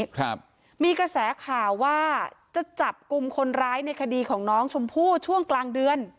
ครับมีกระแสข่าวว่าจะจับกลุ่มคนร้ายในคดีของน้องชมพู่ช่วงกลางเดือน